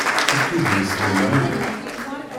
Akk idlisen-a inu.